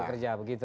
dari pekerja begitu